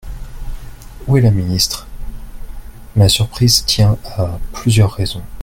Où est la ministre ? Ma surprise tient à plusieurs raisons.